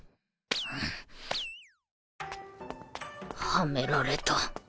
はめられた